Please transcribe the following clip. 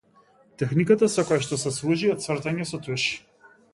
Техниката со која што се служи е цртање со туш.